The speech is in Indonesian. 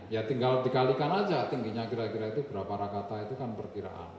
ya tinggal dikalikan aja tingginya kira kira itu berapa rakata itu kan perkiraan